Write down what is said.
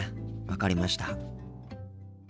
分かりました。